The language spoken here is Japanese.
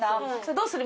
どうする？